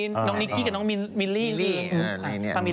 น้องนิกกี้กับน้องมิลลี่